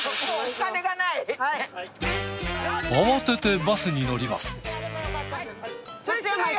慌ててバスに乗ります。